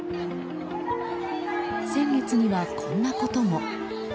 先月には、こんなことも。